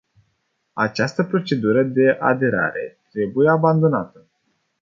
Această procedură de aderare trebuie abandonată.